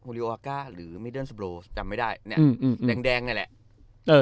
เอ๊ะฮูริโอาก้าหรือจำไม่ได้อืมอืมแดงแดงนั่นแหละเออ